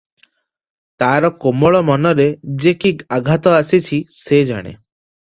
ତାର କୋମଳ ମନରେ ଯେ କି ଆଘାତ ଆସିଚି ସେ ଜାଣେ ।